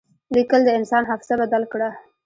لیکل د انسان حافظه بدل کړه.